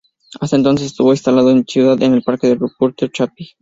Hasta entonces estuvo instalado en la ciudad, en el Parque de Ruperto Chapí.